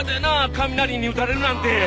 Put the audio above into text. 雷に打たれるなんて。